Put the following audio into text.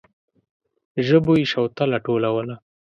ژبو يې شوتله ټولوله.